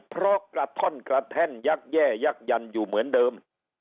เพราะกระท่อนกระแท่นยักษ์แย่ยักยันอยู่เหมือนเดิม